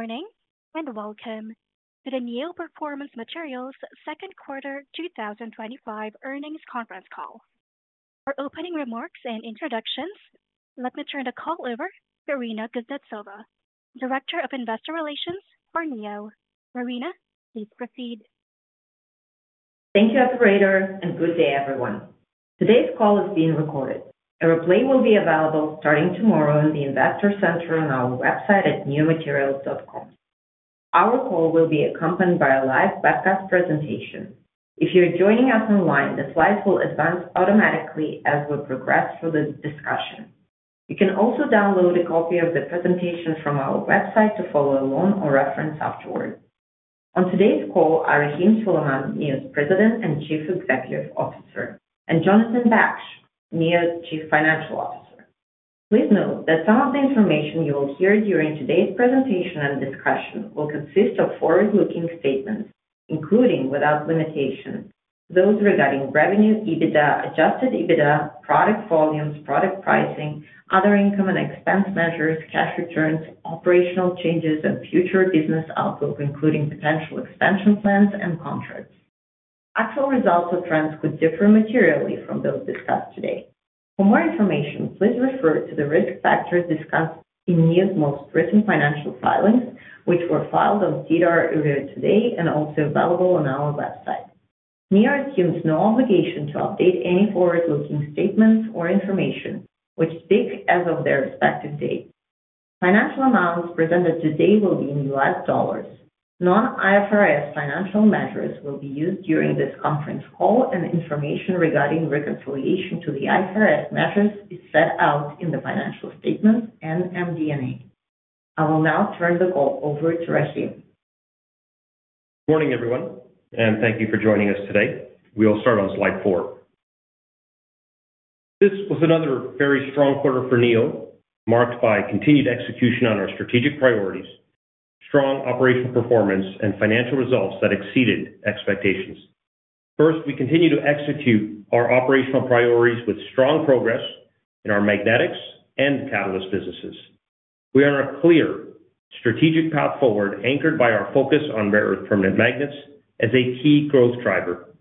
Morning and welcome to the Neo Performance Materials Second Quarter 2025 Earnings Conference Call. For opening remarks and introductions, let me turn the call over to Irina Kuznetsova, Director of Investor Relations for Neo. Irina, please proceed. Thank you, Operator, and good day, everyone. Today's call is being recorded. A replay will be available starting tomorrow in the Investor Center on our website at neomaterials.com. Our call will be accompanied by a live webcast presentation. If you're joining us online, the slides will advance automatically as we progress through the discussion. You can also download a copy of the presentation from our website to follow along or reference afterward. On today's call are Rahim Suleman, Neo's President and Chief Executive Officer, and Jonathan Baksh, Neo's Chief Financial Officer. Please note that some of the information you will hear during today's presentation and discussion will consist of forward-looking statements, including without limitation, those regarding revenue, EBITDA, adjusted EBITDA, product volumes, product pricing, other income and expense measures, cash returns, operational changes, and future business outlook, including potential expansion plans and contracts. Actual results or trends could differ materially from those discussed today. For more information, please refer to the risk factors discussed in Neo's most recent financial filings, which were filed on SEDAR earlier today and also available on our website. Neo assumes no obligation to update any forward-looking statements or information which date as of their respective date. Financial amounts presented today will be in U.S. dollars. Non-IFRS financial measures will be used during this conference call, and information regarding reconciliation to the IFRS measures is set out in the financial statements and MD&A. I will now turn the call over to Rahim. Morning, everyone, and thank you for joining us today. We will start on slide four. This was another very strong quarter for Neo, marked by continued execution on our strategic priorities, strong operational performance, and financial results that exceeded expectations. First, we continue to execute our operational priorities with strong progress in our magnetics and catalyst businesses. We are on a clear strategic path forward, anchored by our focus on rare earth permanent magnets as a key growth driver.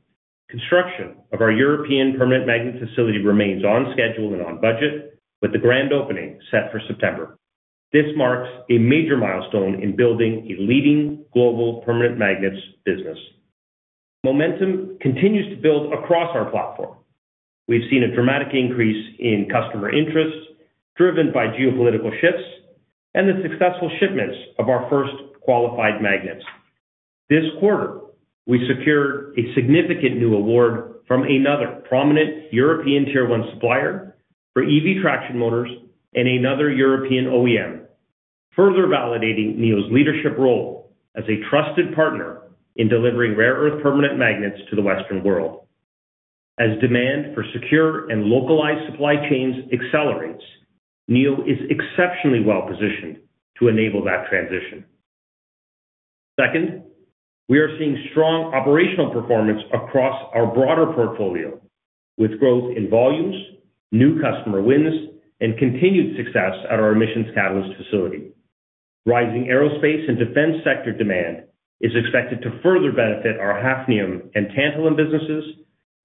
Construction of our European permanent magnet facility remains on schedule and on budget, with the grand opening set for September. This marks a major milestone in building a leading global permanent magnets business. Momentum continues to build across our platform. We've seen a dramatic increase in customer interests, driven by geopolitical shifts and the successful shipments of our first qualified magnets. This quarter, we secured a significant new award from another prominent European tier one supplier for EV traction motors and another European OEM, further validating Neo's leadership role as a trusted partner in delivering rare earth permanent magnets to the Western world. As demand for secure and localized supply chains accelerates, Neo is exceptionally well positioned to enable that transition. Second, we are seeing strong operational performance across our broader portfolio, with growth in volumes, new customer wins, and continued success at our emissions catalyst facility. Rising aerospace and defense sector demand is expected to further benefit our hafnium and tantalum businesses,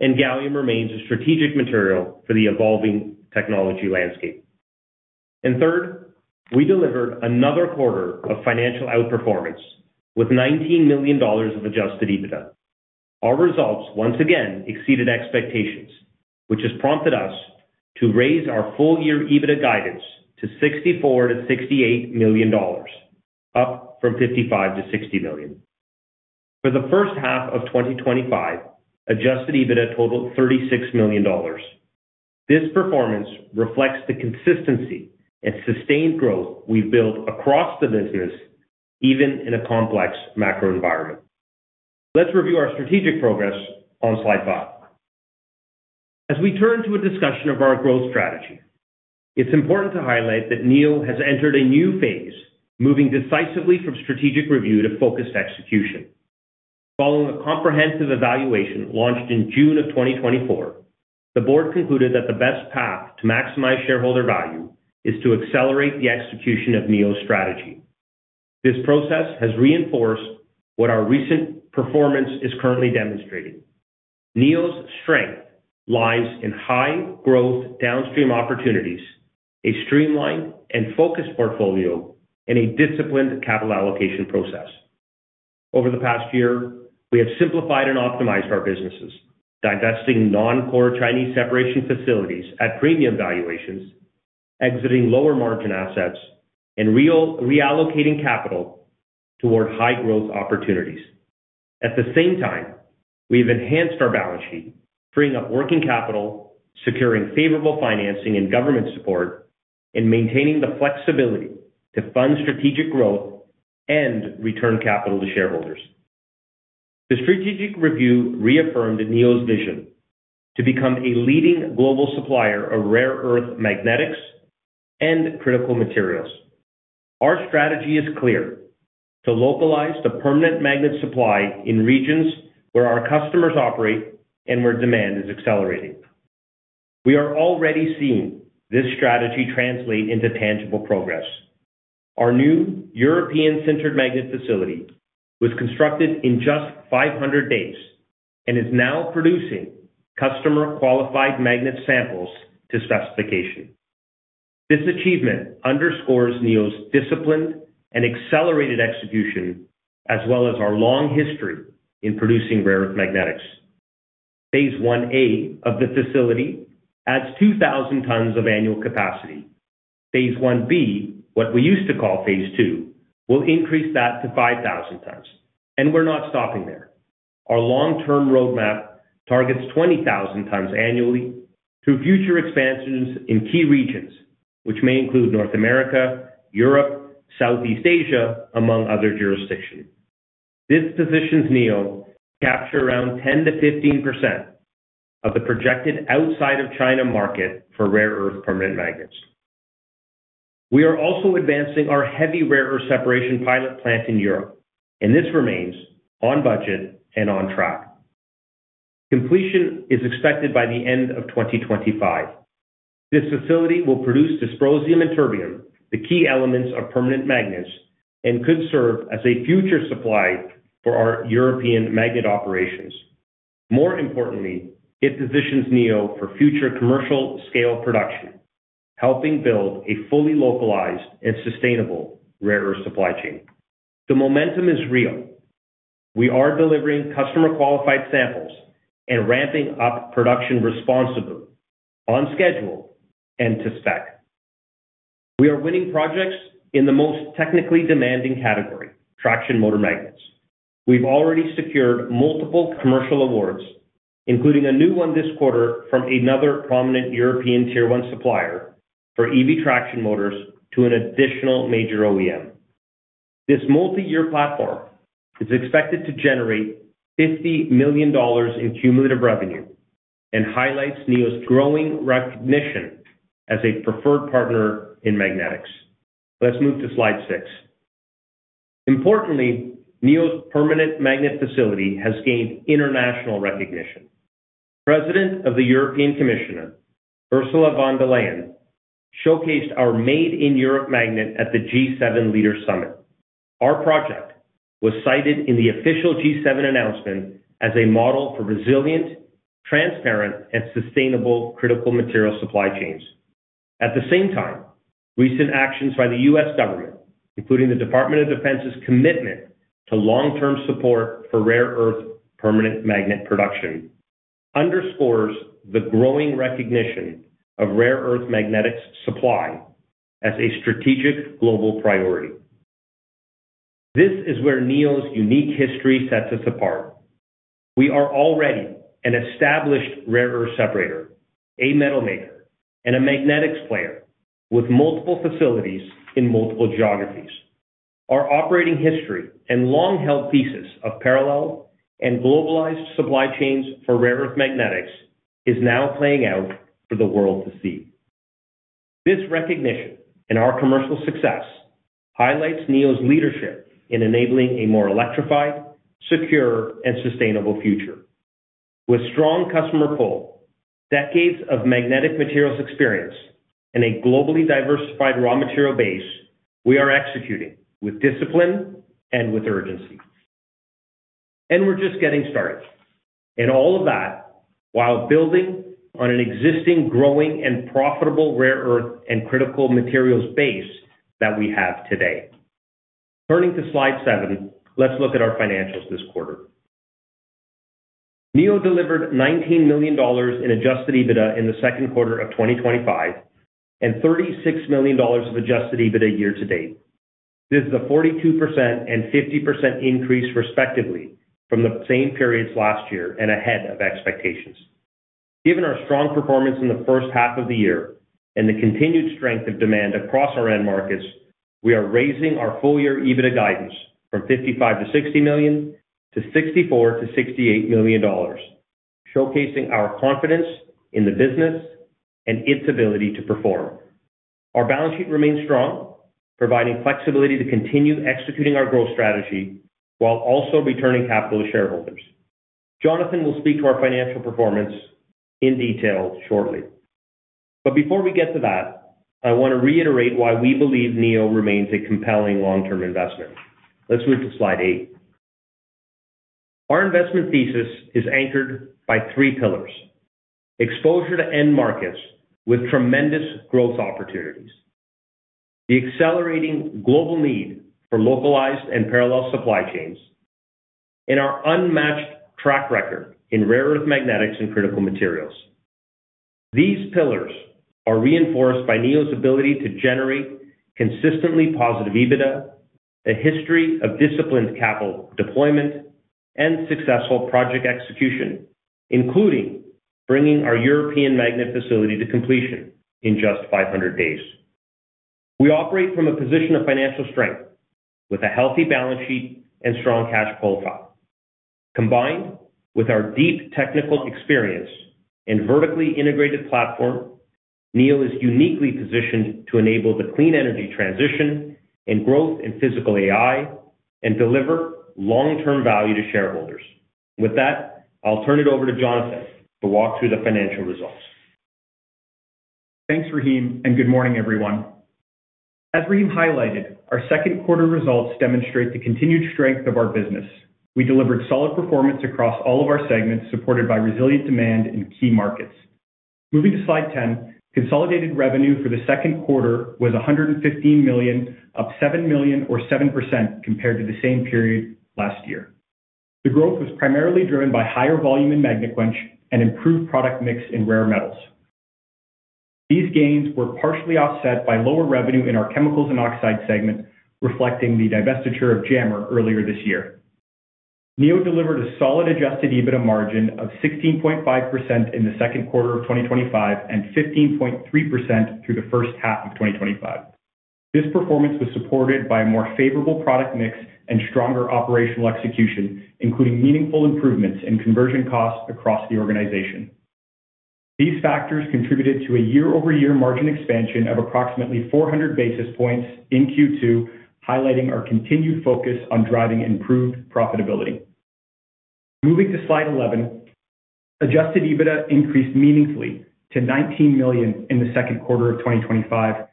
and gallium remains a strategic material for the evolving technology landscape. Third, we delivered another quarter of financial outperformance with $19 million of adjusted EBITDA. Our results once again exceeded expectations, which has prompted us to raise our full year EBITDA guidance to $64 million-$68 million, up from $55 million-$60 million. For the first half of 2025, adjusted EBITDA totaled $36 million. This performance reflects the consistency and sustained growth we've built across the business, even in a complex macro environment. Let's review our strategic progress on slide five. As we turn to a discussion of our growth strategy, it's important to highlight that Neo has entered a new phase, moving decisively from strategic review to focused execution. Following a comprehensive evaluation launched in June of 2024, the board concluded that the best path to maximize shareholder value is to accelerate the execution of Neo's strategy. This process has reinforced what our recent performance is currently demonstrating. Neo's strength lies in high growth downstream opportunities, a streamlined and focused portfolio, and a disciplined capital allocation process. Over the past year, we have simplified and optimized our businesses, divesting non-core Chinese separation facilities at premium valuations, exiting lower margin assets, and reallocating capital toward high growth opportunities. At the same time, we've enhanced our balance sheet, freeing up working capital, securing favorable financing and government support, and maintaining the flexibility to fund strategic growth and return capital to shareholders. The strategic review reaffirmed Neo's vision to become a leading global supplier of rare earth magnetics and critical materials. Our strategy is clear: to localize the permanent magnet supply in regions where our customers operate and where demand is accelerating. We are already seeing this strategy translate into tangible progress. Our new European permanent magnet facility was constructed in just 500 days and is now producing customer qualified magnet samples to specification. This achievement underscores Neo's disciplined and accelerated execution, as well as our long history in producing rare earth magnetics. phase I-A of the facility adds 2,000 tons of annual capacity. Phase I-B, what we used to call phase II, will increase that to 5,000 tons, and we're not stopping there. Our long-term roadmap targets 20,000 tons annually through future expansions in key regions, which may include North America, Europe, and Southeast Asia, among other jurisdictions. This positions Neo to capture around 10%-15% of the projected outside of China market for rare earth permanent magnets. We are also advancing our heavy rare earth separation pilot plant in Europe, and this remains on budget and on track. Completion is expected by the end of 2025. This facility will produce dysprosium and terbium, the key elements of permanent magnets, and could serve as a future supply for our European magnet operations. More importantly, it positions Neo for future commercial scale production, helping build a fully localized and sustainable rare earth supply chain. The momentum is real. We are delivering customer qualified samples and ramping up production responsibly, on schedule and to spec. We are winning projects in the most technically demanding category: traction motor magnets. We've already secured multiple commercial awards, including a new one this quarter from another prominent European tier one supplier for EV traction motors to an additional major OEM. This multi-year platform is expected to generate $50 million in cumulative revenue and highlights Neo's growing recognition as a preferred partner in magnetics. Let's move to slide six. Importantly, Neo's permanent magnet facility has gained international recognition. President of the European Commission, Ursula von der Leyen, showcased our Made in Europe magnet at the G7 Leaders Summit. Our project was cited in the official G7 announcement as a model for resilient, transparent, and sustainable critical material supply chains. At the same time, recent actions by the U.S. government, including the Department of Defense's commitment to long-term support for rare earth permanent magnet production, underscore the growing recognition of rare earth magnetics supply as a strategic global priority. This is where Neo's unique history sets us apart. We are already an established rare earth separator, a metal maker, and a magnetics player with multiple facilities in multiple geographies. Our operating history and long-held thesis of parallel and globalized supply chains for rare earth magnetics is now playing out for the world to see. This recognition and our commercial success highlight Neo's leadership in enabling a more electrified, secure, and sustainable future. With a strong customer pool, decades of magnetic materials experience, and a globally diversified raw material base, we are executing with discipline and with urgency. We're just getting started. All of that while building on an existing, growing, and profitable rare earth and critical materials base that we have today. Turning to slide seven, let's look at our financials this quarter. Neo delivered $19 million in adjusted EBITDA in the second quarter of 2025 and $36 million of adjusted EBITDA year to date. This is a 42% and 50% increase, respectively, from the same periods last year and ahead of expectations. Given our strong performance in the first half of the year and the continued strength of demand across our end markets, we are raising our full year EBITDA guidance from $55 million-$60 million to $64 million-$68 million, showcasing our confidence in the business and its ability to perform. Our balance sheet remains strong, providing flexibility to continue executing our growth strategy while also returning capital to shareholders. Jonathan will speak to our financial performance in detail shortly. Before we get to that, I want to reiterate why we believe Neo remains a compelling long-term investment. Let's move to slide eight. Our investment thesis is anchored by three pillars: exposure to end markets with tremendous growth opportunities, the accelerating global need for localized and parallel supply chains, and our unmatched track record in rare earth magnetics and critical materials. These pillars are reinforced by Neo's ability to generate consistently positive EBITDA, a history of disciplined capital deployment, and successful project execution, including bringing our European permanent magnet facility to completion in just 500 days. We operate from a position of financial strength, with a healthy balance sheet and strong cash pull drive. Combined with our deep technical experience and vertically integrated platform, Neo is uniquely positioned to enable the clean energy transition and growth in physical AI and deliver long-term value to shareholders. With that, I'll turn it over to Jonathan to walk through the financial results. Thanks, Rahim, and good morning, everyone. As Rahim highlighted, our second quarter results demonstrate the continued strength of our business. We delivered solid performance across all of our segments, supported by resilient demand in key markets. Moving to slide ten, consolidated revenue for the second quarter was $115 million, up $7 million or 7% compared to the same period last year. The growth was primarily driven by higher volume in magnet quench and improved product mix in rare metals. These gains were partially offset by lower revenue in our chemicals and oxides segment, reflecting the divestiture of Jammer earlier this year. Neo delivered a solid adjusted EBITDA margin of 16.5% in the second quarter of 2025 and 15.3% through the first half of 2025. This performance was supported by a more favorable product mix and stronger operational execution, including meaningful improvements in conversion costs across the organization. These factors contributed to a year-over-year margin expansion of approximately 400 basis points in Q2, highlighting our continued focus on driving improved profitability. Moving to slide 11, adjusted EBITDA increased meaningfully to $19 million in the second quarter of 2025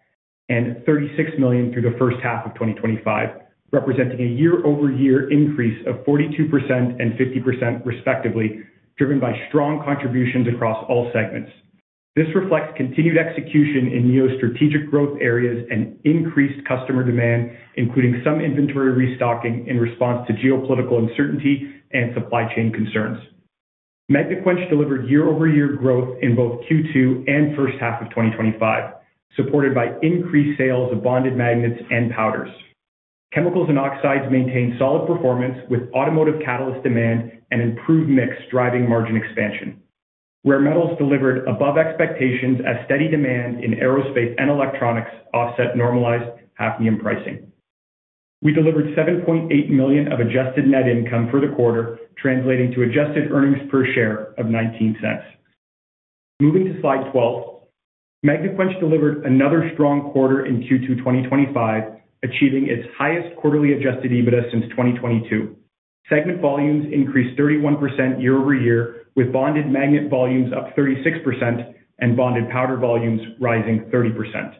and $36 million through the first half of 2025, representing a year-over-year increase of 42% and 50% respectively, driven by strong contributions across all segments. This reflects continued execution in Neo's strategic growth areas and increased customer demand, including some inventory restocking in response to geopolitical uncertainty and supply chain concerns. Magnet quench delivered year-over-year growth in both Q2 and first half of 2025, supported by increased sales of bonded magnets and powders. Chemicals and oxides maintained solid performance with automotive catalyst demand and improved mix, driving margin expansion. Rare metals delivered above expectations as steady demand in aerospace and electronics offset normalized hafnium pricing. We delivered $7.8 million of adjusted net income for the quarter, translating to adjusted earnings per share of $0.19. Moving to slide 12, magnet quench delivered another strong quarter in Q2 2025, achieving its highest quarterly adjusted EBITDA since 2022. Segment volumes increased 31% year-over-year, with bonded magnet volumes up 36% and bonded powder volumes rising 30%.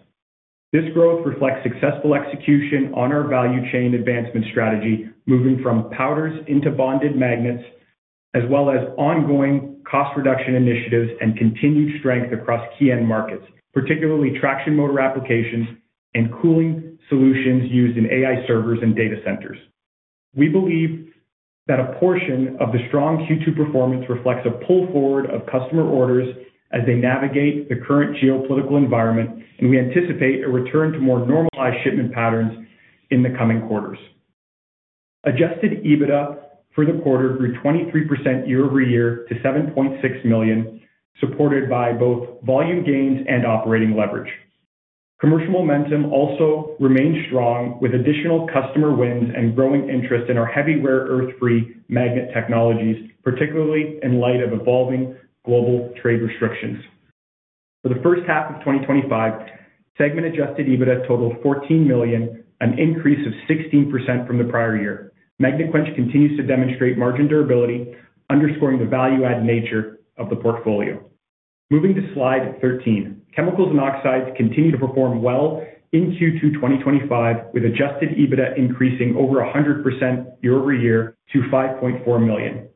This growth reflects successful execution on our value chain advancement strategy, moving from powders into bonded magnets, as well as ongoing cost reduction initiatives and continued strength across key end markets, particularly traction motor applications and cooling solutions used in AI servers and data centers. We believe that a portion of the strong Q2 performance reflects a pull forward of customer orders as they navigate the current geopolitical environment, and we anticipate a return to more normalized shipment patterns in the coming quarters. Adjusted EBITDA for the quarter grew 23% year-over-year to $7.6 million, supported by both volume gains and operating leverage. Commercial momentum also remains strong, with additional customer wins and growing interest in our heavy rare earth-free magnet technologies, particularly in light of evolving global trade restrictions. For the first half of 2025, segment adjusted EBITDA totaled $14 million, an increase of 16% from the prior year. Magnet quench continues to demonstrate margin durability, underscoring the value-add nature of the portfolio. Moving to slide 13, chemicals and oxides continue to perform well in Q2 2025, with adjusted EBITDA increasing over 100% year-over-year to $5.4 million.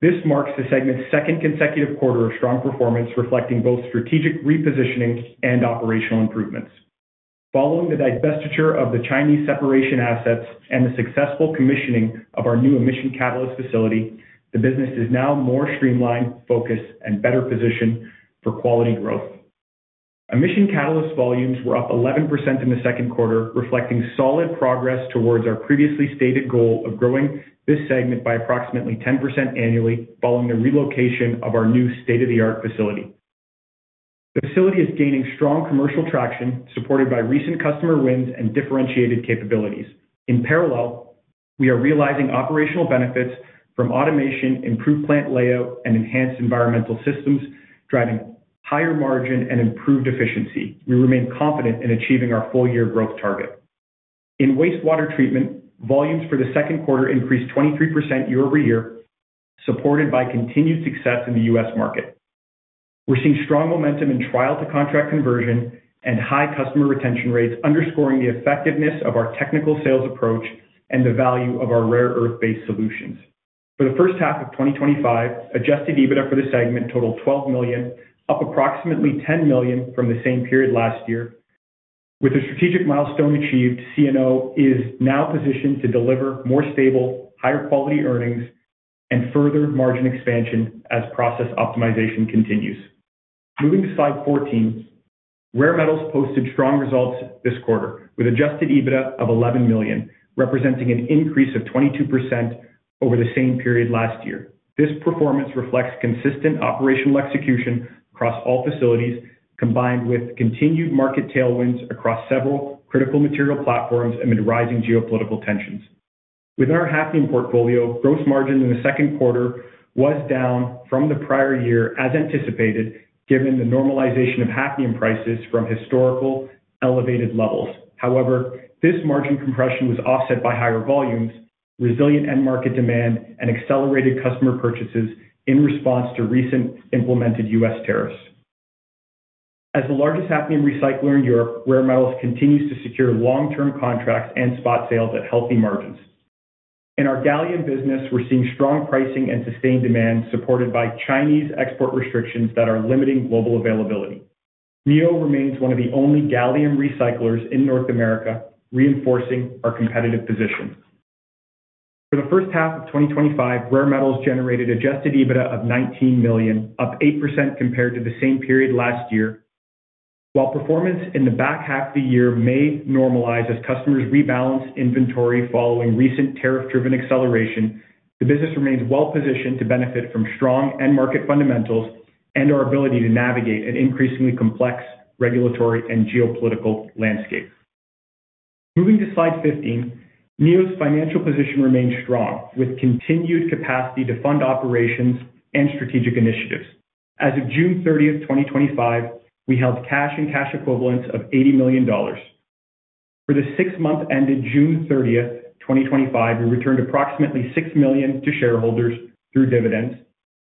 This marks the segment's second consecutive quarter of strong performance, reflecting both strategic repositioning and operational improvements. Following the divestiture of the Chinese separation assets and the successful commissioning of our new emissions catalyst control plant, the business is now more streamlined, focused, and better positioned for quality growth. Emissions catalyst volumes were up 11% in the second quarter, reflecting solid progress towards our previously stated goal of growing this segment by approximately 10% annually following the relocation of our new state-of-the-art facility. The facility is gaining strong commercial traction, supported by recent customer wins and differentiated capabilities. In parallel, we are realizing operational benefits from automation, improved plant layout, and enhanced environmental systems, driving higher margin and improved efficiency. We remain confident in achieving our full year growth target. In wastewater treatment, volumes for the second quarter increased 23% year-over-year, supported by continued success in the U.S. market. We're seeing strong momentum in trial-to-contract conversion and high customer retention rates, underscoring the effectiveness of our technical sales approach and the value of our rare earth-based solutions. For the first half of 2025, adjusted EBITDA for the segment totaled $12 million, up approximately $10 million from the same period last year. With a strategic milestone achieved, Neo is now positioned to deliver more stable, higher quality earnings and further margin expansion as process optimization continues. Moving to slide 14, rare metals posted strong results this quarter, with adjusted EBITDA of $11 million, representing an increase of 22% over the same period last year. This performance reflects consistent operational execution across all facilities, combined with continued market tailwinds across several critical material platforms amid rising geopolitical tensions. Within our hafnium portfolio, gross margin in the second quarter was down from the prior year, as anticipated, given the normalization of hafnium prices from historically elevated levels. However, this margin compression was offset by higher volumes, resilient end market demand, and accelerated customer purchases in response to recently implemented U.S. tariffs. As the largest hafnium recycler in Europe, Rare Metals continues to secure long-term contracts and spot sales at healthy margins. In our gallium business, we're seeing strong pricing and sustained demand, supported by Chinese export restrictions that are limiting global availability. Neo remains one of the only gallium recyclers in North America, reinforcing our competitive position. For the first half of 2025, Rare Metals generated adjusted EBITDA of $19 million, up 8% compared to the same period last year. While performance in the back half of the year may normalize as customers rebalance inventory following recent tariff-driven acceleration, the business remains well positioned to benefit from strong end market fundamentals and our ability to navigate an increasingly complex regulatory and geopolitical landscape. Moving to slide 15, Neo's financial position remains strong, with continued capacity to fund operations and strategic initiatives. As of June 30, 2025, we held cash and cash equivalents of $80 million. For the six months ended June 30, 2025, we returned approximately $6 million to shareholders through dividends.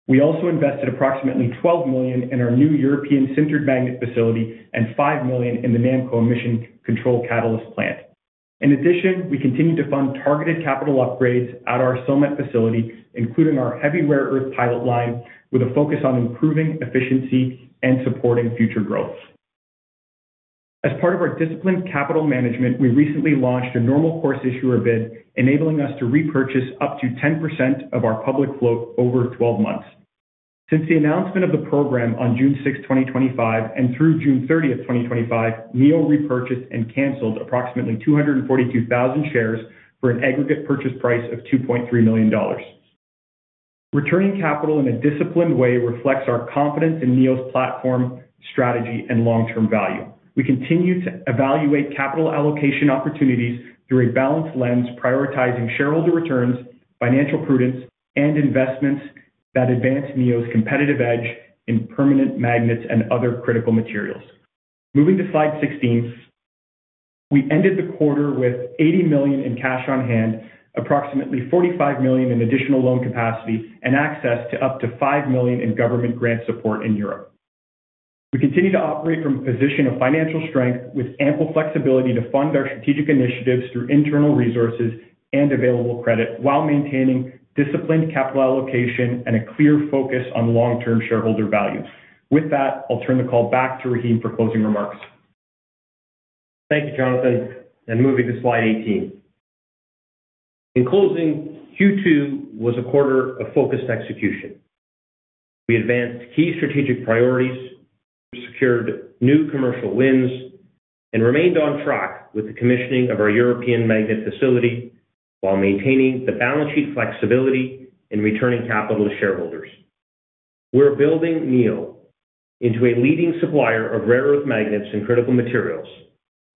We also invested approximately $12 million in our new European permanent magnet facility and $5 million in the Neo emissions catalyst control plant. In addition, we continue to fund targeted capital upgrades at our Silmet facility, including our heavy rare earth separation pilot plant, with a focus on improving efficiency and supporting future growth. As part of our disciplined capital management, we recently launched a normal course issuer bid, enabling us to repurchase up to 10% of our public float over 12 months. Since the announcement of the program on June 6, 2025, and through June 30, 2025, Neo repurchased and canceled approximately $242,000 shares for an aggregate purchase price of $2.3 million. Returning capital in a disciplined way reflects our confidence in Neo's platform, strategy, and long-term value. We continue to evaluate capital allocation opportunities through a balanced lens, prioritizing shareholder returns, financial prudence, and investments that advance Neo's competitive edge in permanent magnets and other critical materials. Moving to slide 16, we ended the quarter with $80 million in cash on hand, approximately $45 million in additional loan capacity, and access to up to $5 million in government grant support in Europe. We continue to operate from a position of financial strength, with ample flexibility to fund our strategic initiatives through internal resources and available credit, while maintaining disciplined capital allocation and a clear focus on long-term shareholder values. With that, I'll turn the call back to Rahim for closing remarks. Thank you, Jonathan. Moving to slide 18. In closing, Q2 was a quarter of focused execution. We advanced key strategic priorities, secured new commercial wins, and remained on track with the commissioning of our European permanent magnet facility while maintaining the balance sheet flexibility and returning capital to shareholders. We're building Neo into a leading supplier of rare earth magnets and critical materials,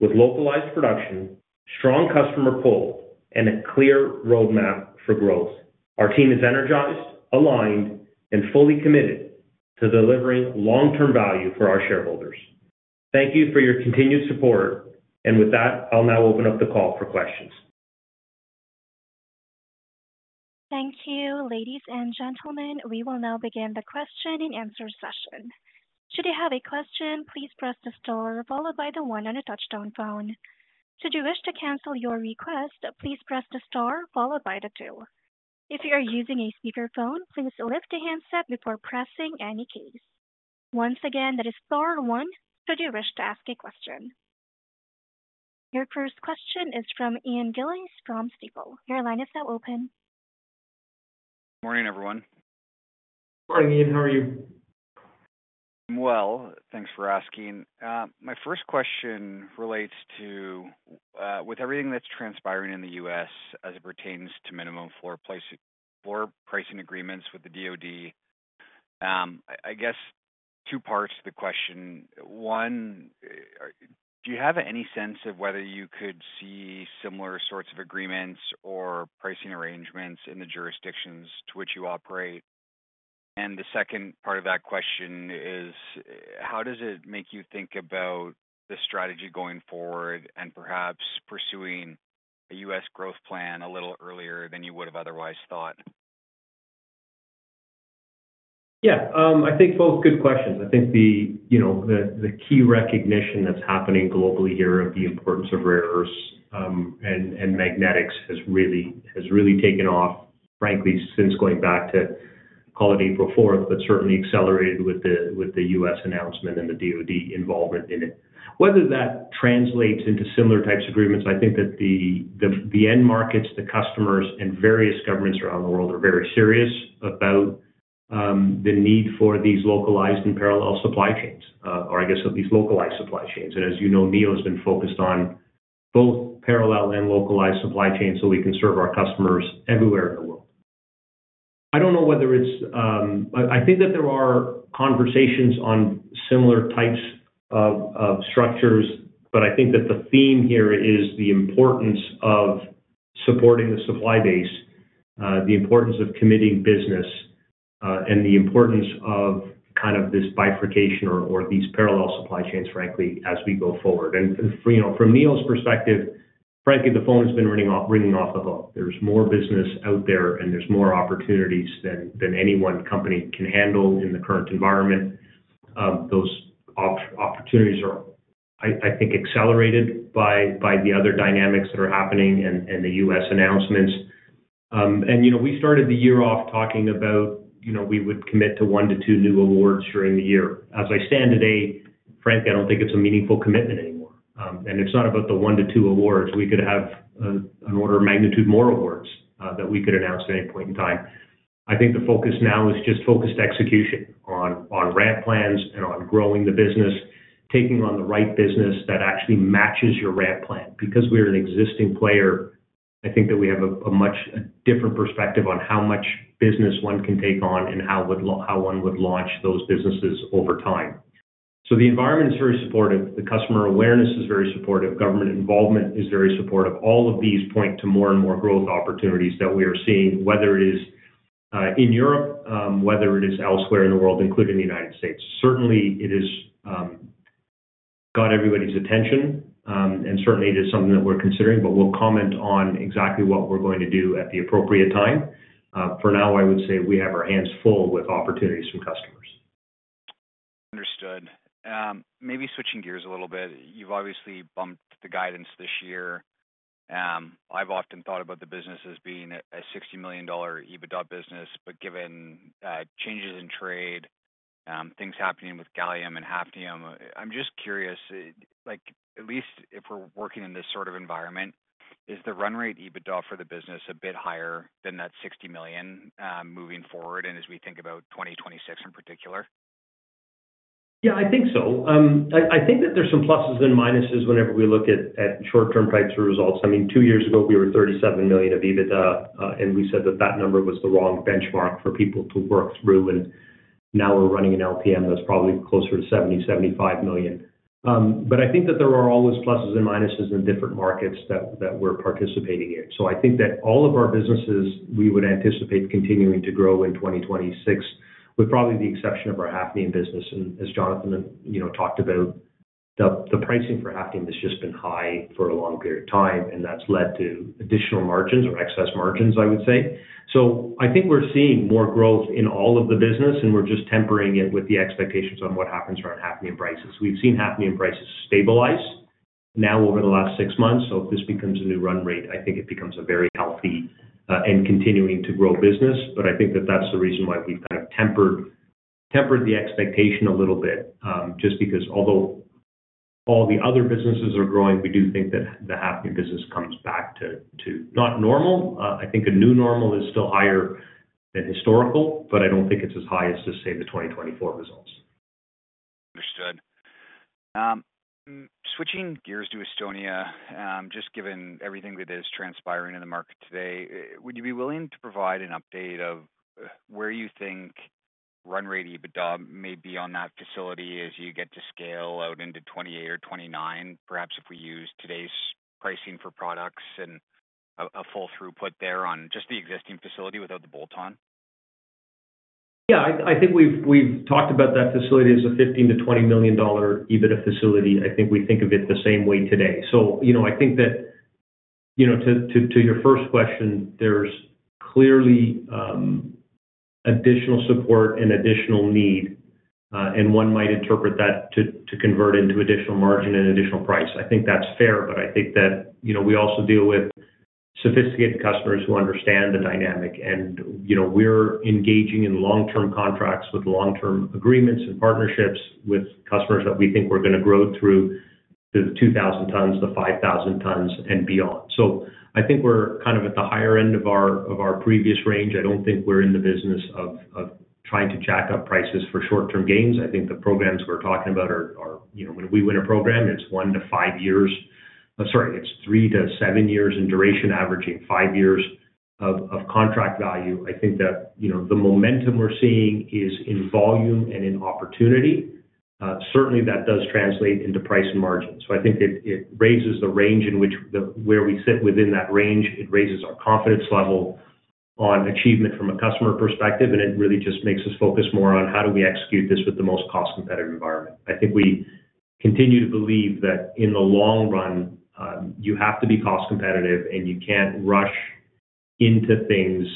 with localized production, strong customer pull, and a clear roadmap for growth. Our team is energized, aligned, and fully committed to delivering long-term value for our shareholders. Thank you for your continued support. With that, I'll now open up the call for questions. Thank you, ladies and gentlemen. We will now begin the question and answer session. Should you have a question, please press the star followed by the one on the touch-tone phone. Should you wish to cancel your request, please press the star followed by the two. If you are using a speaker phone, please lift a handset before pressing any keys. Once again, that is star one should you wish to ask a question. Your first question is from Ian Gillies from Stifel. Your line is now open. Morning, everyone. Morning, Ian. How are you? I'm well, thanks for asking. My first question relates to, with everything that's transpiring in the U.S. as it pertains to minimum floor pricing agreements with the DoD, I guess two parts to the question. One, do you have any sense of whether you could see similar sorts of agreements or pricing arrangements in the jurisdictions to which you operate? The second part of that question is, how does it make you think about the strategy going forward and perhaps pursuing a U.S. growth plan a little earlier than you would have otherwise thought? Yeah, I think both good questions. I think the key recognition that's happening globally here of the importance of rare earths and magnetics has really taken off, frankly, since going back to, call it April 4, but certainly accelerated with the U.S. announcement and the DoD involvement in it. Whether that translates into similar types of agreements, I think that the end markets, the customers, and various governments around the world are very serious about the need for these localized and parallel supply chains, or at least localized supply chains. As you know, Neo has been focused on both parallel and localized supply chains so we can serve our customers everywhere in the world. I don't know whether it's, I think that there are conversations on similar types of structures, but I think that the theme here is the importance of supporting the supply base, the importance of committing business, and the importance of this bifurcation or these parallel supply chains, frankly, as we go forward. From Neo's perspective, frankly, the phone has been ringing off of a, there's more business out there and there's more opportunities than any one company can handle in the current environment. Those opportunities are, I think, accelerated by the other dynamics that are happening and the U.S. announcements. We started the year off talking about, you know, we would commit to one to two new awards during the year. As I stand today, frankly, I don't think it's a meaningful commitment anymore. It's not about the one to two awards. We could have an order of magnitude more awards that we could announce at any point in time. I think the focus now is just focused execution on ramp plans and on growing the business, taking on the right business that actually matches your ramp plan. Because we're an existing player, I think that we have a much different perspective on how much business one can take on and how one would launch those businesses over time. The environment is very supportive. The customer awareness is very supportive. Government involvement is very supportive. All of these point to more and more growth opportunities that we are seeing, whether it is in Europe, whether it is elsewhere in the world, including the United States. Certainly, it has got everybody's attention, and certainly, it is something that we're considering, but we'll comment on exactly what we're going to do at the appropriate time. For now, I would say we have our hands full with opportunities from customers. Understood. Maybe switching gears a little bit, you've obviously bumped the guidance this year. I've often thought about the business as being a $60 million EBITDA business, but given changes in trade, things happening with gallium and hafnium, I'm just curious, like at least if we're working in this sort of environment, is the run rate EBITDA for the business a bit higher than that $60 million moving forward and as we think about 2026 in particular? Yeah, I think so. I think that there's some pluses and minuses whenever we look at short-term price results. I mean, two years ago, we were $37 million of EBITDA, and we said that that number was the wrong benchmark for people to work through. Now we're running an LPM that's probably closer to $70 million-$75 million. I think that there are always pluses and minuses in different markets that we're participating in. I think that all of our businesses, we would anticipate continuing to grow in 2026, with probably the exception of our hafnium business. As Jonathan talked about, the pricing for hafnium has just been high for a long period of time, and that's led to additional margins or excess margins, I would say. I think we're seeing more growth in all of the business, and we're just tempering it with the expectations on what happens around hafnium prices. We've seen hafnium prices stabilize now over the last six months. If this becomes a new run rate, I think it becomes a very healthy and continuing to grow business. I think that that's the reason why we've kind of tempered the expectation a little bit, just because although all the other businesses are growing, we do think that the hafnium business comes back to not normal. I think a new normal is still higher than historical, but I don't think it's as high as to say the 2024 results. Understood. Switching gears to Estonia, just given everything that is transpiring in the market today, would you be willing to provide an update of where you think run rate EBITDA may be on that facility as you get to scale out into 2028 or 2029, perhaps if we use today's pricing for products and a full throughput there on just the existing facility without the bolt-on? Yeah, I think we've talked about that facility as a $15 million-$20 million EBITDA facility. I think we think of it the same way today. To your first question, there's clearly additional support and additional need, and one might interpret that to convert into additional margin and additional price. I think that's fair, but we also deal with sophisticated customers who understand the dynamic, and we're engaging in long-term contracts with long-term agreements and partnerships with customers that we think we're going to grow through the 2,000 tons, the 5,000 tons, and beyond. I think we're kind of at the higher end of our previous range. I don't think we're in the business of trying to jack up prices for short-term gains. The programs we're talking about are, when we win a program, it's one to five years, sorry, it's three to seven years in duration, averaging five years of contract value. The momentum we're seeing is in volume and in opportunity. Certainly, that does translate into price and margins. I think it raises the range in which we sit within that range. It raises our confidence level on achievement from a customer perspective, and it really just makes us focus more on how do we execute this with the most cost-competitive environment. I think we continue to believe that in the long run, you have to be cost-competitive, and you can't rush into things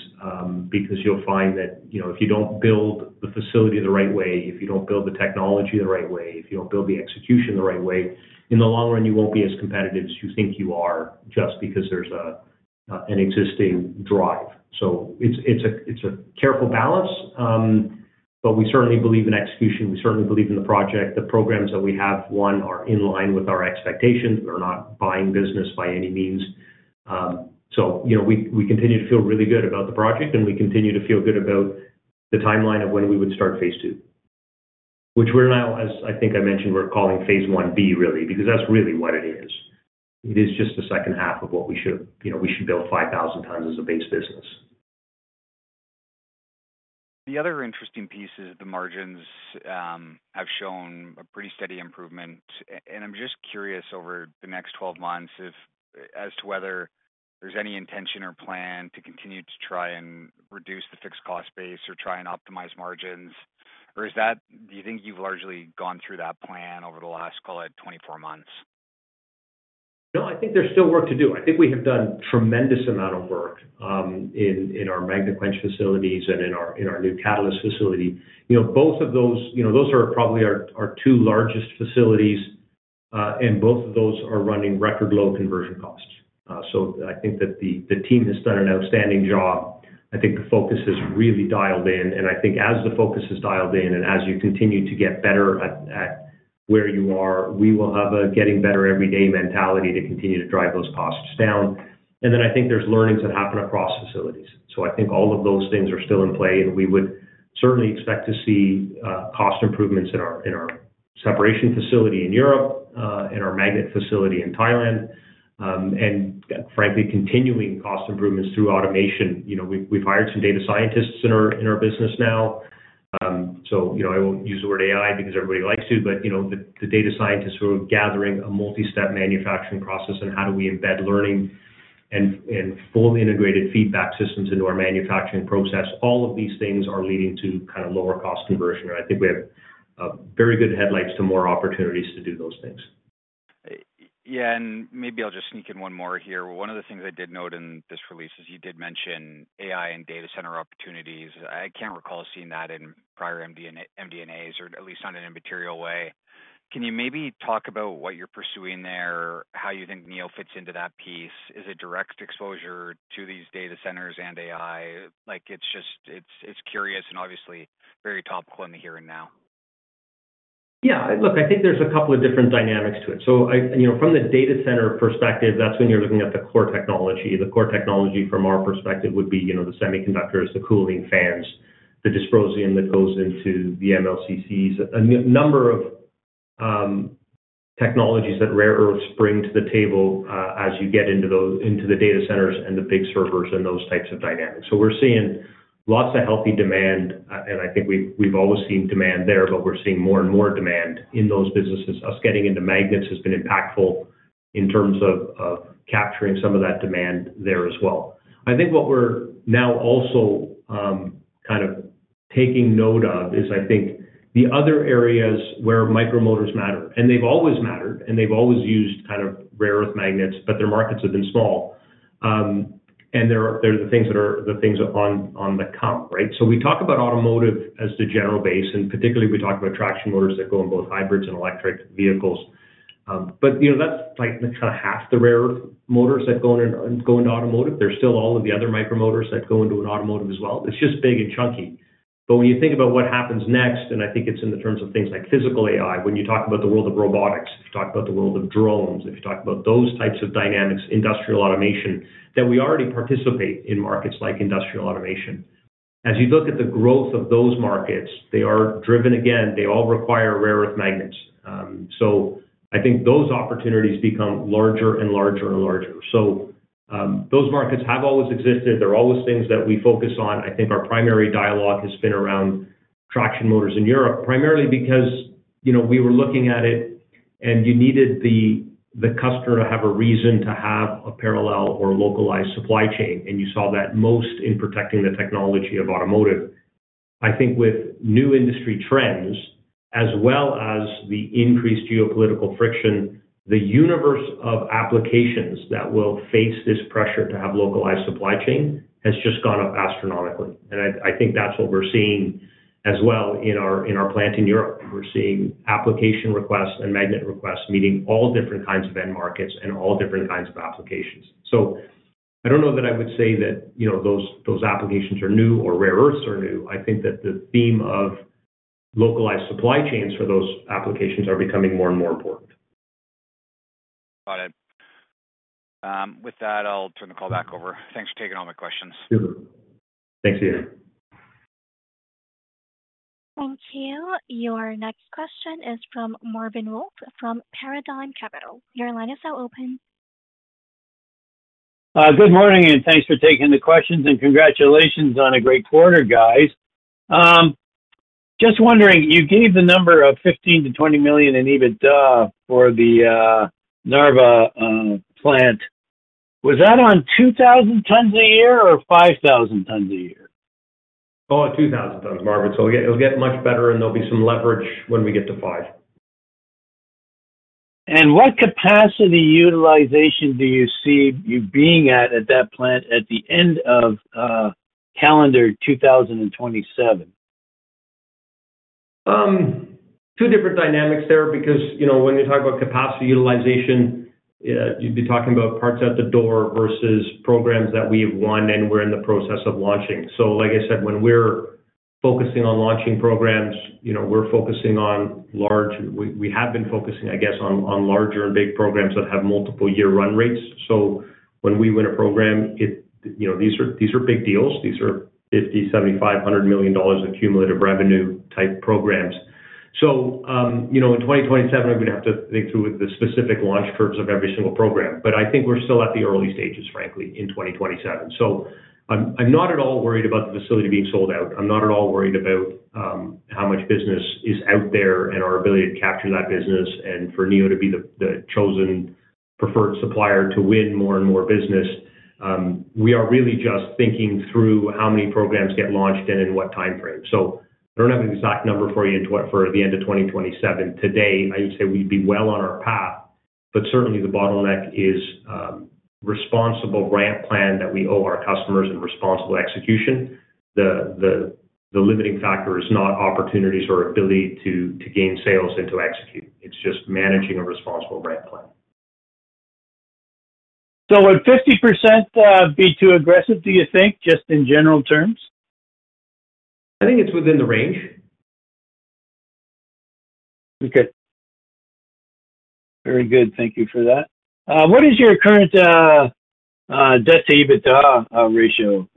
because you'll find that if you don't build the facility the right way, if you don't build the technology the right way, if you don't build the execution the right way, in the long run, you won't be as competitive as you think you are just because there's an existing drive. It's a careful balance, but we certainly believe in execution. We certainly believe in the project. The programs that we have, one, are in line with our expectations. We're not buying business by any means. We continue to feel really good about the project, and we continue to feel good about the timeline of when we would start phase two, which we're now, as I think I mentioned, we're calling phase I-B, really, because that's really what it is. It is just the second half of what we should, we should build 5,000 tons as a base business. The other interesting piece is the margins have shown a pretty steady improvement, and I'm just curious over the next 12 months as to whether there's any intention or plan to continue to try and reduce the fixed cost base or try and optimize margins, or do you think you've largely gone through that plan over the last, call it, 24 months? No, I think there's still work to do. I think we have done a tremendous amount of work in our magnet quench facilities and in our new catalyst facility. Both of those are probably our two largest facilities, and both of those are running record low conversion costs. I think that the team has done an outstanding job. I think the focus has really dialed in, and I think as the focus has dialed in and as you continue to get better at where you are, we will have a getting better everyday mentality to continue to drive those costs down. I think there's learnings that happen across facilities. All of those things are still in play, and we would certainly expect to see cost improvements in our separation facility in Europe, in our magnet facility in Thailand, and frankly, continuing cost improvements through automation. We've hired some data scientists in our business now. I won't use the word AI because everybody likes to, but the data scientists who are gathering a multi-step manufacturing process and how do we embed learning and fully integrated feedback systems into our manufacturing process, all of these things are leading to kind of lower cost conversion. I think we have very good headlights to more opportunities to do those things. Yeah, maybe I'll just sneak in one more here. One of the things I did note in this release is you did mention AI and data center opportunities. I can't recall seeing that in prior MD&As, or at least not in a material way. Can you maybe talk about what you're pursuing there, how you think Neo fits into that piece? Is it direct exposure to these data centers and AI? It's just, it's curious and obviously very topical in the here and now. Yeah, look, I think there's a couple of different dynamics to it. From the data center perspective, that's when you're looking at the core technology. The core technology from our perspective would be the semiconductors, the cooling fans, the dysprosium that goes into the MLCCs, a number of technologies that rare earths bring to the table as you get into the data centers and the big servers and those types of dynamics. We're seeing lots of healthy demand, and I think we've always seen demand there, but we're seeing more and more demand in those businesses. Us getting into magnets has been impactful in terms of capturing some of that demand there as well. I think what we're now also kind of taking note of is the other areas where micromotors matter, and they've always mattered, and they've always used rare earth magnets, but their markets have been small, and they're the things that are the things on the comp, right? We talk about automotive as the general base, and particularly we talk about traction motors that go in both hybrids and electric vehicles. That's like half the rare earth motors that go into automotive. There's still all of the other micromotors that go into an automotive as well. It's just big and chunky. When you think about what happens next, I think it's in the terms of things like physical AI, when you talk about the world of robotics, if you talk about the world of drones, if you talk about those types of dynamics, industrial automation, that we already participate in markets like industrial automation. As you look at the growth of those markets, they are driven again, they all require rare earth magnets. I think those opportunities become larger and larger and larger. Those markets have always existed. They're always things that we focus on. I think our primary dialogue has been around traction motors in Europe, primarily because we were looking at it and you needed the customer to have a reason to have a parallel or localized supply chain. You saw that most in protecting the technology of automotive. With new industry trends, as well as the increased geopolitical friction, the universe of applications that will face this pressure to have localized supply chain has just gone up astronomically. I think that's what we're seeing as well in our plant in Europe. We're seeing application requests and magnet requests meeting all different kinds of end markets and all different kinds of applications. I don't know that I would say that those applications are new or rare earths are new. I think that the theme of localized supply chains for those applications is becoming more and more important. Got it. With that, I'll turn the call back over. Thanks for taking all my questions. Thank you. Thank you. Your next question is from Marvin Wolff from Paradigm Capital. Your line is now open. Good morning, and thanks for taking the questions, and congratulations on a great quarter, guys. Just wondering, you gave the number of $15 million-$20 million in EBITDA for the Narva plant. Was that on 2,000 tons a year or 5,000 tons a year? Oh, 2,000 tons, Marvin. It'll get much better, and there'll be some leverage when we get to five. What capacity utilization do you see you being at at that plant at the end of calendar 2027? Two different dynamics there because, you know, when you talk about capacity utilization, you'd be talking about parts out the door versus programs that we've won and we're in the process of launching. Like I said, when we're focusing on launching programs, we're focusing on large, we have been focusing, I guess, on larger and big programs that have multiple year run rates. When we win a program, these are big deals. These are $50 million, $75 million, $100 million accumulative revenue type programs. In 2027, I'm going to have to think through the specific launch curves of every single program. I think we're still at the early stages, frankly, in 2027. I'm not at all worried about the facility being sold out. I'm not at all worried about how much business is out there and our ability to capture that business and for Neo to be the chosen preferred supplier to win more and more business. We are really just thinking through how many programs get launched and in what timeframe. I don't have an exact number for you for the end of 2027. Today, I would say we'd be well on our path, but certainly the bottleneck is a responsible ramp plan that we owe our customers and responsible execution. The limiting factor is not opportunities or ability to gain sales and to execute. It's just managing a responsible ramp plan. Would 50% be too aggressive, do you think, just in general terms? I think it's within the range. Okay. Very good. Thank you for that. What is your current debt-to-EBITDA ratio?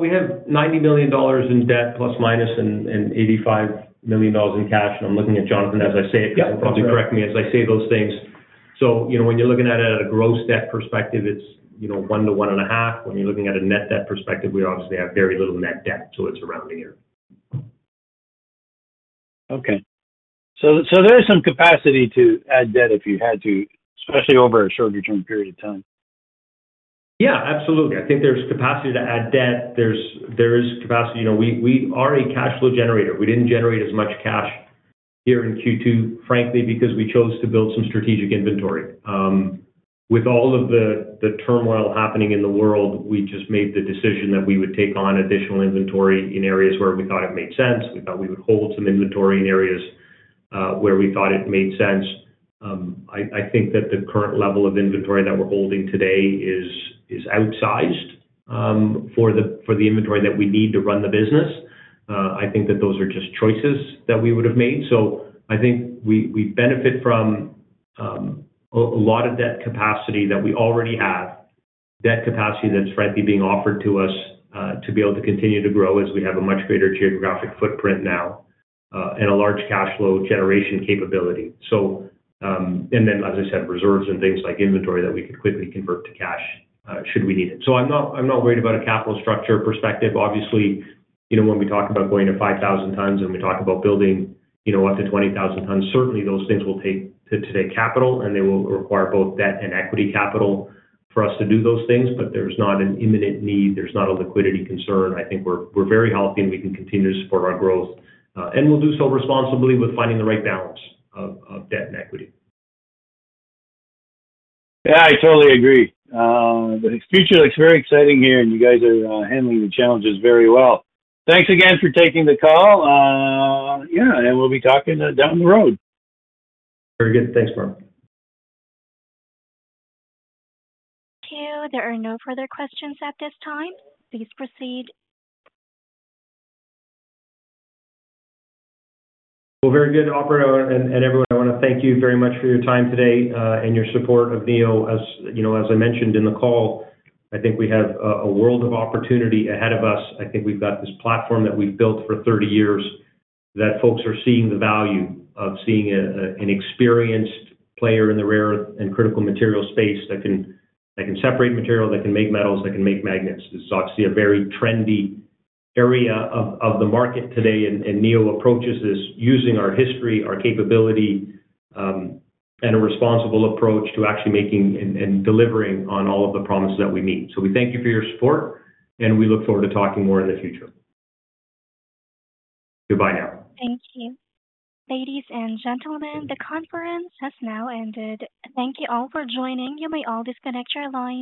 We have $90 million in debt, plus minus, and $85 million in cash. I'm looking at Jonathan as I say it. Yeah, and probably correct me as I say those things. When you're looking at it at a gross debt perspective, it's, you know, one to one and a half. When you're looking at a net debt perspective, we obviously have very little net debt, so it's around a year. There is some capacity to add debt if you had to, I think, over a shorter-term period of time. Yeah, absolutely. I think there's capacity to add debt. There is capacity. You know, we are a cash flow generator. We didn't generate as much cash here in Q2, frankly, because we chose to build some strategic inventory. With all of the turmoil happening in the world, we just made the decision that we would take on additional inventory in areas where we thought it made sense. We thought we would hold some inventory in areas where we thought it made sense. I think that the current level of inventory that we're holding today is outsized for the inventory that we need to run the business. I think that those are just choices that we would have made. I think we benefit from a lot of debt capacity that we already have, debt capacity that's frankly being offered to us to be able to continue to grow as we have a much greater geographic footprint now and a large cash flow generation capability. As I said, reserves and things like inventory that we could quickly convert to cash should we need it. I'm not worried about a capital structure perspective. Obviously, you know, when we talk about going to 5,000 tons and we talk about building up to 20,000 tons, certainly those things will take capital and they will require both debt and equity capital for us to do those things, but there's not an imminent need. There's not a liquidity concern. I think we're very healthy and we can continue to support our growth and we'll do so responsibly with finding the right balance of debt and equity. Yeah, I totally agree. The future looks very exciting here and you guys are handling the challenges very well. Thanks again for taking the call. We'll be talking down the road. Very good. Thanks, Marvin. Thank you. There are no further questions at this time. Please proceed. Operator and everyone, I want to thank you very much for your time today and your support of Neo. As you know, as I mentioned in the call, I think we have a world of opportunity ahead of us. I think we've got this platform that we've built for 30 years that folks are seeing the value of, seeing an experienced player in the rare and critical material space that can separate material, that can make metals, that can make magnets. This is obviously a very trendy area of the market today and Neo approaches this using our history, our capability, and a responsible approach to actually making and delivering on all of the promises that we meet. We thank you for your support and we look forward to talking more in the future. Goodbye now. Thank you. Ladies and gentlemen, the conference has now ended. Thank you all for joining. You may all disconnect your lines.